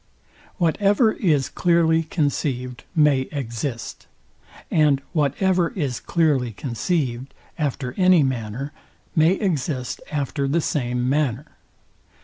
Whatever is clearly conceived may exist; and whatever is clearly conceived, after any manner, may exist after the same manner.